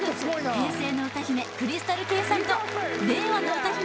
平成の歌姫ＣｒｙｓｔａｌＫａｙさんと令和の歌姫